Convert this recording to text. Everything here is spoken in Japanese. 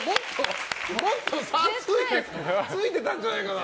もっと差ついてたんじゃないかな。